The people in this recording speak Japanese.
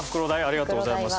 ありがとうございます。